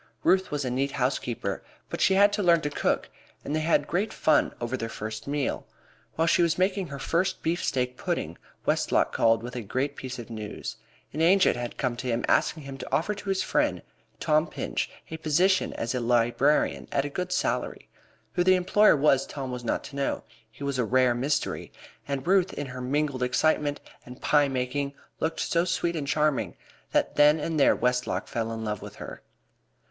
Ruth was a neat housekeeper, but she had to learn to cook, and they had great fun over their first meal. While she was making her first beefsteak pudding Westlock called with a great piece of news. An agent had come to him asking him to offer to his friend Tom Pinch a position as a librarian at a good salary. Who the employer was Tom was not to know. Here was a rare mystery, and Ruth in her mingled excitement and pie making looked so sweet and charming that then and there Westlock fell in love with her.